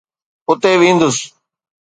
اتي وينديس.